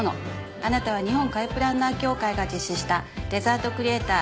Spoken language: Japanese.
「あなたは日本カフェプランナー協会が実施したデザートクリエイター